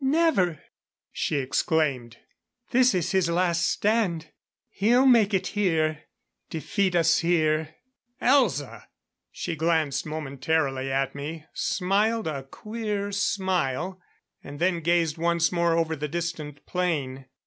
"Never!" she exclaimed. "This is his last stand. He'll make it here defeat us here " "Elza!" She glanced momentarily at me, smiled a queer smile, and then gazed once more over the distant plain.